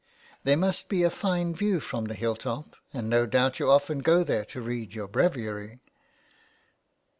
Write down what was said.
" There must be a fine view from the hill top, and no doubt you often go there to read your breviary."